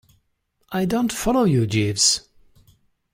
I don't follow you, Jeeves.